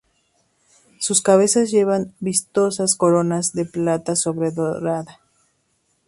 Sus cabezas llevan vistosas coronas de plata sobredorada.